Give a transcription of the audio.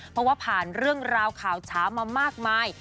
เพราะว่าผ่านเรื่องราวข่าวเช้ามามากมาย